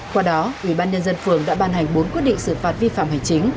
qua đó ủy ban nhân dân phường đã ban hành bốn quyết định xử phạt vi phạm hành chính